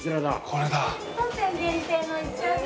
これだ。